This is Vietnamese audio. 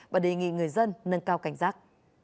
và đề nghị người dân nâng cao cảnh giác